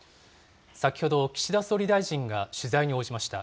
先ほど岸田総理大臣が取材に応じました。